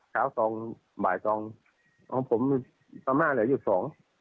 สองสองมาบ่ายสองของผมพัมธ์มาเหลืออีกสอง